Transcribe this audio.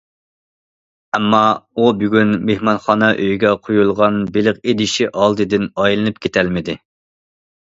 ئەمما ئۇ بۈگۈن مېھمانخانا ئۆيىگە قويۇلغان بېلىق ئىدىشى ئالدىدىن ئايلىنىپ كېتەلمىدى.